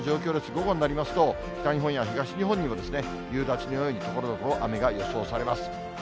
午後になりますと、北日本や東日本にも夕立のように、ところどころ雨が予想されます。